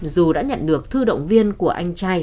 dù đã nhận được thư động viên của anh trai